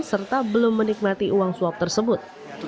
serta belum menikmati uang suap tersebut